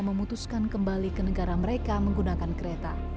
memutuskan kembali ke negara mereka menggunakan kereta